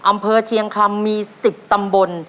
อำเภอเชียงคำมี๑๐ตำบล